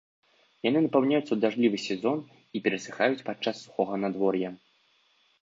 Яны напаўняюцца ў дажджлівы сезон і перасыхаюць падчас сухога надвор'я.